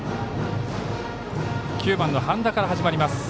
９番の半田から始まります。